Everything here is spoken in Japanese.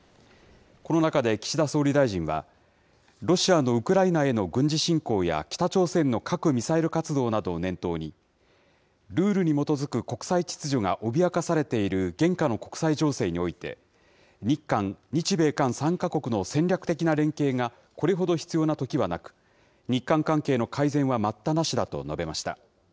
この中で岸田総理大臣は、ロシアのウクライナへの軍事侵攻や北朝鮮の核・ミサイル活動などを念頭に、ルールに基づく国際秩序が脅かされている現下の国際情勢において、日韓、日米韓３か国の戦略的な連携がこれほど必要な時はなく、日韓関係の改善は待ったなしだと述べました。